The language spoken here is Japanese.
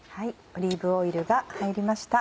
オリーブオイルが入りました。